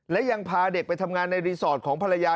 และยังพาเด็กไปทำงานในรีสอร์ทของภรรยา